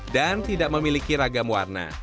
dan tidak memiliki ragam warna